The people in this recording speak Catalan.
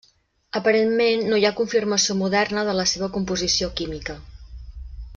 Aparentment, no hi ha confirmació moderna de la seva composició química.